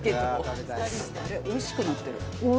おいしくなってる。